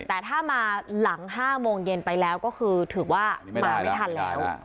แต่ถ้ามาหลัง๕โมงเย็นไปแล้วก็คือถือว่ามาไม่ทันแล้ว